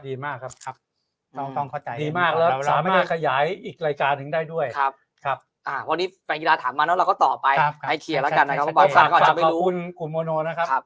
ถามมาแล้วเราก็ต่อไปให้เคลียร์แล้วกันนะครับขอบคุณกลุ่มโมโนนะครับ